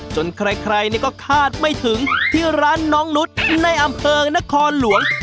ใครก็คาดไม่ถึงที่ร้านน้องนุษย์ในอำเภอนครหลวง